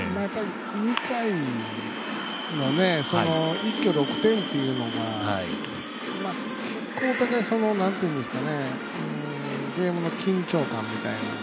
２回の一挙６点っていうのが結構、ゲームの緊張感みたいな。